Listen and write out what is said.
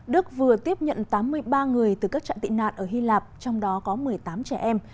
đức vừa tiếp nhận tám mươi ba người từ các trại tị nạn ở hy lạp trong đó có một mươi tám trẻ em